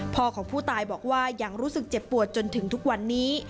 พ่อพูทายพูดว่าอย่างรู้สึกเจ็บปวดจนถึงทุกวันนี้